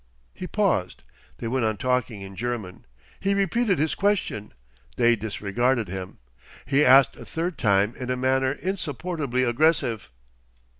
He paused. They went on talking in German. He repeated his question. They disregarded him. He asked a third time in a manner insupportably aggressive.